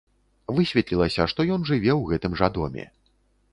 Высветлілася, што ён жыве ў гэтым жа доме.